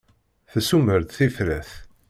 Tessumer-d tifrat.